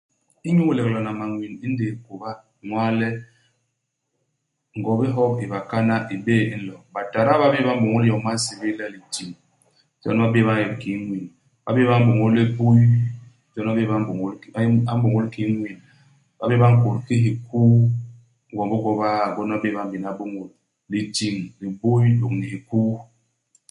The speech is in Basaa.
Inyu ilegelana mañwin indéé kôba, inwaa le ngobi-hop i bakana i bé'é i nlo, Batada ba bé'é ba m'bôñôl iyom ba nsébél le litiñ. Jon ba bé'é ba ñep kiki ñwin. Ba bé'é ba m'bôñôl libuy, jon ba bé'é ba m'bôñôl kiki a ba m'bôñôl kiki ñwin. Ba bé'é ba nkôt ki hikuu. Igwom bi gwobiaa gwom ba bé'é ba m'béna bôñôl. Litiñ, libuy lôñni hikuu.